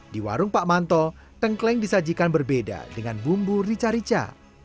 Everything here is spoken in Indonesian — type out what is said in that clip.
di warung pak manto tengkleng disajikan berbeda dengan bumbu rica rica